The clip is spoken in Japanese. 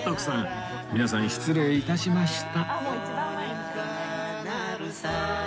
皆さん失礼致しました